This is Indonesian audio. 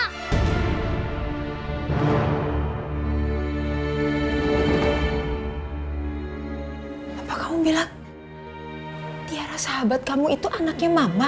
apa kamu bilang tiara sahabat kamu itu anaknya mama